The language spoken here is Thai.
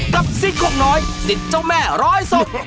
กับสิทธิ์คุกน้อยสิทธิ์เจ้าแม่ร้อยศพ